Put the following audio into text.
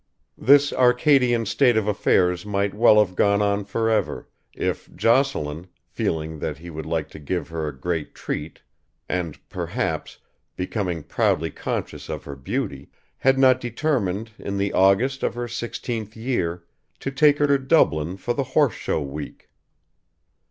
This Arcadian state of affairs might well have gone on for ever, if Jocelyn, feeling that he would like to give her a great treat and, perhaps, becoming proudly conscious of her beauty, had not determined, in the August of her sixteenth year, to take her to Dublin for the Horse Show week.